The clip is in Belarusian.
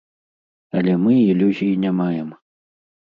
Але мы ілюзій не маем.